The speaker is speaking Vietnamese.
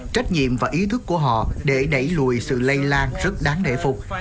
trách nhiệm và ý thức của họ để đẩy lùi sự lây lan rất đáng để phục